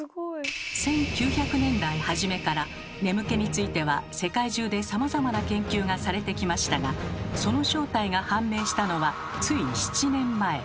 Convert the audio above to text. １９００年代はじめから眠気については世界中でさまざまな研究がされてきましたがその正体が判明したのはつい７年前。